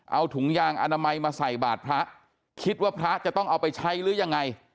เอาถุงยางอนามัยมาใส่บาทพระคิดว่าพระจะต้องเอาไปใช้หรือยังไง